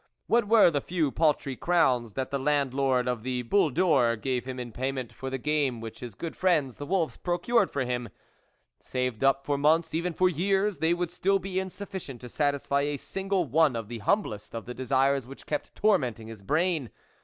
What were the few paltry crowns that the Land lord of the Boule d'Or gave him in pay ment for the game which his good friends the wolves procured for him ? Saved up for months, even for years, they would still be insufficient to satisfy a single one of the humblest of the desires which kept tormenting his brain.